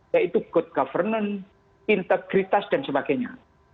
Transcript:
yaitu good governance integritas dan sebagainya